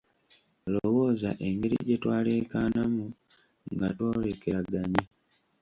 Lowooza engeri gye twaleekaanamu nga twolekeraganye.